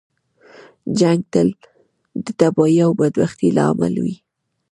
جنګ تل د تباهۍ او بدبختۍ لامل وي.